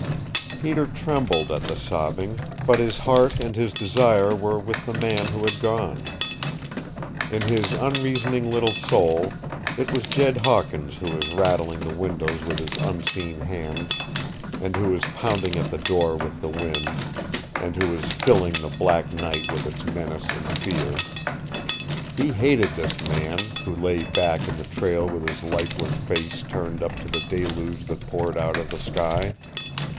Peter trembled at the sobbing, but his heart and his desire were with the man who had gone. In his unreasoning little soul it was Jed Hawkins who was rattling the windows with his unseen hands and who was pounding at the door with the wind, and who was filling the black night with its menace and fear. He hated this man, who lay back in the trail with his lifeless face turned up to the deluge that poured out of the sky.